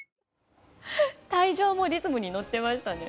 退場もリズムに乗っていましたね。